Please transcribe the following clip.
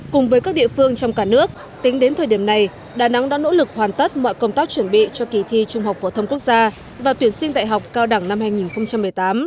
cùng với các địa phương trong cả nước tính đến thời điểm này đà nẵng đã nỗ lực hoàn tất mọi công tác chuẩn bị cho kỳ thi trung học phổ thông quốc gia và tuyển sinh đại học cao đẳng năm hai nghìn một mươi tám